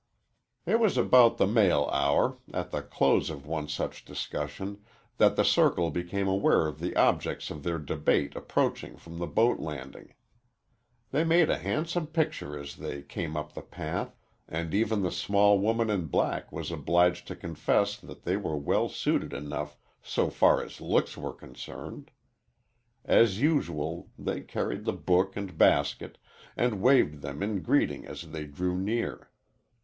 It was about the mail hour, at the close of one such discussion, that the circle became aware of the objects of their debate approaching from the boat landing. They made a handsome picture as they came up the path, and even the small woman in black was obliged to confess that they were well suited enough "so far as looks were concerned." As usual they carried the book and basket, and waved them in greeting as they drew near.